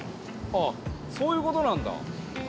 あっそういうことなんだ。